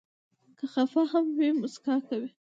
که خفه هم وي، مسکا کوي.